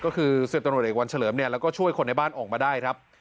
ก็คือ๑๐ตำรวจเอกวันเฉลิมเนี่ยแล้วก็ช่วยคนในบ้านออกมาได้ครับ